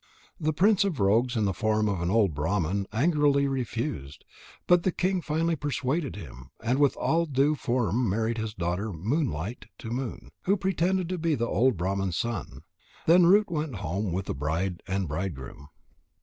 The prince of rogues in the form of an old Brahman angrily refused. But the king finally persuaded him, and with all due form married his daughter Moonlight to Moon, who pretended to be the old Brahman's son. Then Root went home with the bride and bridegroom.